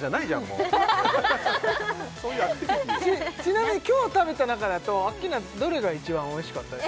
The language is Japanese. もうそういうアクティビティーちなみに今日食べた中だとアッキーナどれが一番おいしかったです？